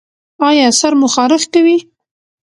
ایا سر مو خارښ کوي؟